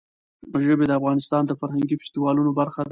ژبې د افغانستان د فرهنګي فستیوالونو برخه ده.